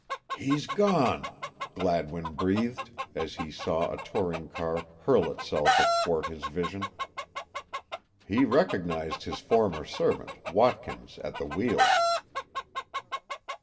"He's gone!" Gladwin breathed, as he saw a touring car hurl itself athwart his vision. He recognized his former servant, Watkins, at the wheel.